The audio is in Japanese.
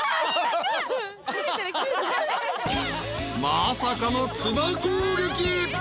［まさかの唾攻撃］